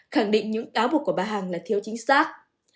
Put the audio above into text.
khẳng định những cáo buộc của bà hằng là thiếu chính xác